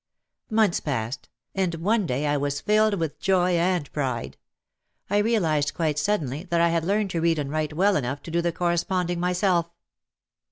Months passed, and one day I was filled with joy and pride. I realised quite suddenly that I had learned to read and write well enough to do the corre sponding myself.